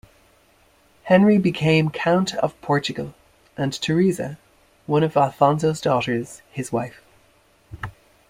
Henry became count of Portugal and Theresa, one of Alfonso's daughters, his wife.